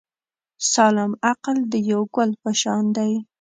سالم عقل د یو ګل په شان دی.